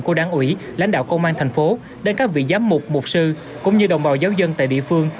cô đáng ủy lãnh đạo công an tp cn đến các vị giám mục mục sư cũng như đồng bào giáo dân tại địa phương